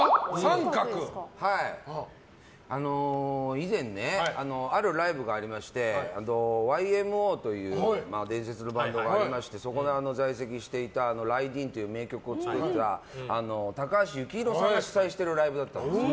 以前、あるライブがありましてＹＭＯという伝説のバンドがありましてそこに在籍していた「ライディーン」という名曲を作った高橋幸宏さんが主催してるライブだったんです。